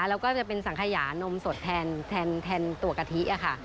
แล้วก็จะเป็นสังขยานมสดแทนตัวกะทิค่ะ